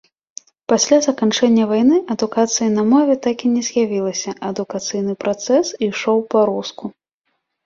Пасля заканчэння вайны адукацыі на мове так і не з'явілася, адукацыйны працэс ішоў па-руску.